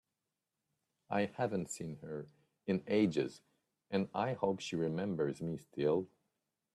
I haven’t seen her in ages, and I hope she remembers me still!